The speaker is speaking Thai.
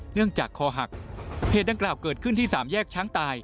เนื่องจากคอหักเหตุดังกล่าวเกิดขึ้นที่สามแยกช้างตาย